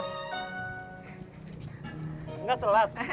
kita sudah telat